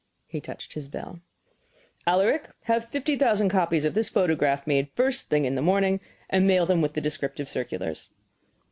He touched his bell. "Alaric, have fifty thousand copies of this photograph made the first thing in the morning, and mail them with the descriptive circulars."